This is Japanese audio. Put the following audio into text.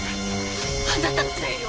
あなたのせいよ！